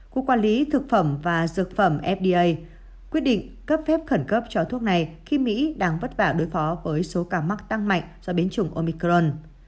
cục quản lý thực phẩm và dược phẩm fda quyết định cấp phép khẩn cấp cho thuốc này khi mỹ đang vất vả đối phó với số ca mắc tăng mạnh do biến chủng omicron